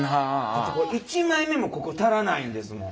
だってこれ１枚目もここ足らないんですもん。